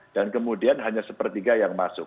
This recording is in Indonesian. kemudian hanya sepertiga yang masuk